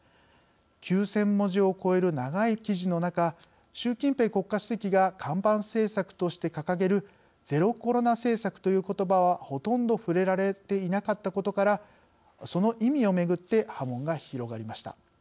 ９，０００文字を超える長い記事の中習近平国家主席が看板政策として掲げるゼロコロナ政策ということばはほとんど触れられていなかったことからその意味をめぐって波紋が広がりました。